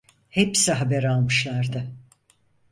Hepsi haber almışlardı.